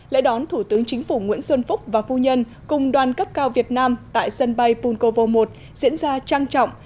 lễ đón thủ tướng chính phủ nguyễn xuân phúc và phu nhân cùng đoàn cấp cao việt nam tại sân bay punkovo một diễn ra trang trọng